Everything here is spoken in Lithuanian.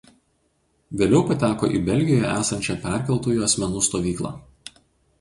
Vėliau pateko į Belgijoje esančią perkeltųjų asmenų stovyklą.